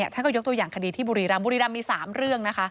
ท่านก็ยกตัวอย่างคดีที่บุรีรำบุรีรำมี๓เรื่องนะคะ